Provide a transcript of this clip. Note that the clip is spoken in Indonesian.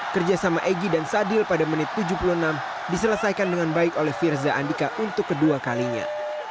kerjasama egy dan sadil pada menit tujuh puluh enam diselesaikan dengan baik oleh firza andika untuk kedua kalinya